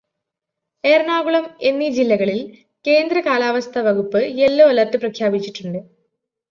എറണാകുളം എന്നീ ജില്ലകളില് കേന്ദ്ര കാലാവസ്ഥ വകുപ്പ് യെല്ലോ അലേര്ട്ട് പ്രഖ്യാപിച്ചിട്ടുണ്ട്.